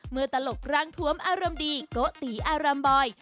เมื่อตลกร่างทวมอารมณ์ดีก็ตีอารำบอย